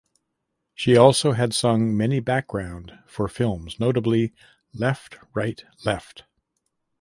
She also had sung many background for films notably Left Right Left.